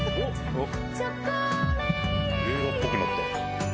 映画っぽくなった。